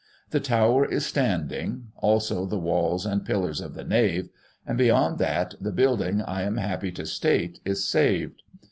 The tower is standing, also the walls and pillars of the nave; and, beyond that, the building, I am happy to state, is saved.